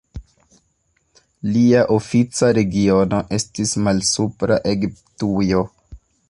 Lia ofica regiono estis Malsupra Egiptujo.